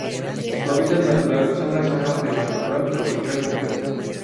Su hábitat natural son las zonas de matorral tropical húmedo.